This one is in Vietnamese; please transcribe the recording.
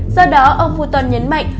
do đó ông guron nhấn mạnh